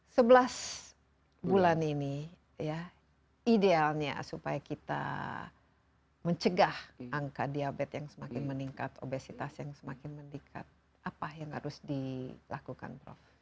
sebelas bulan ini ya idealnya supaya kita mencegah angka diabetes yang semakin meningkat obesitas yang semakin meningkat apa yang harus dilakukan prof